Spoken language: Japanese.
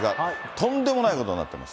とんでもないことになってます。